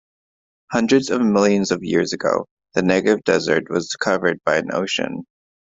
Hundreds of millions of years ago, the Negev desert was covered by an ocean.